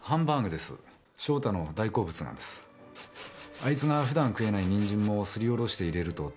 あいつがふだん食えないニンジンもすりおろして入れると食べれるんですよ。